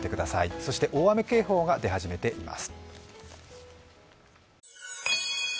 そして大雨警報が出始めています。